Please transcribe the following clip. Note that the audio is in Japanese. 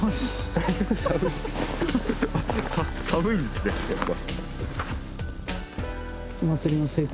・寒いんっすねやっぱ。